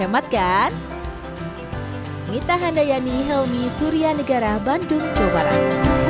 makan nikmatnya beneran dengan harga hemat kan